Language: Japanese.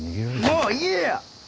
もういいよ！